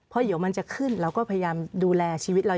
เพราะเดี๋ยวมันจะขึ้นเราก็พยายามดูแลชีวิตเรา